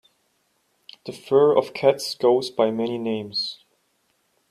The fur of cats goes by many names.